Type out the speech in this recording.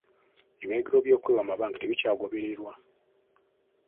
Ebiragiro by'okwewa amabanga tebikyagobererwa.